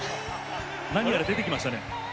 何やら出てきましたね。